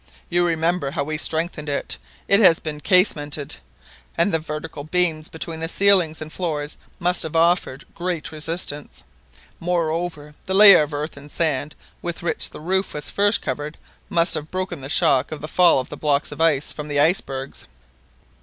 You remember how we strengthened it, it has been 'casemated,' and the vertical beams between the ceilings and floors must have offered great resistance; moreover, the layer of earth and sand with which the roof was first covered must have broken the shock of the fall of the blocks of ice from the icebergs."